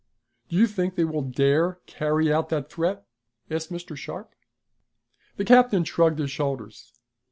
"Do you think they will dare carry out that threat?" asked Mr. Sharp. The captain shrugged his shoulders.